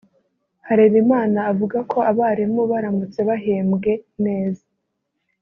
Harerimana avuga ko abarimu baramutse bahembwe neza